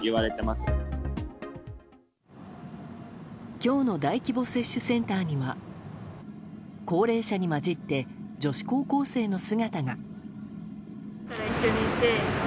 今日の大規模接種センターには高齢者にまじって女子高校生の姿が。